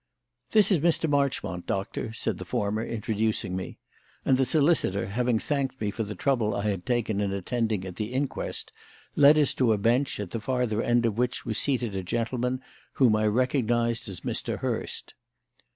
"This is Mr. Marchmont, Doctor," said the former, introducing me; and the solicitor, having thanked me for the trouble I had taken in attending at the inquest, led us to a bench, at the farther end of which was seated a gentleman whom I recognised as Mr. Hurst.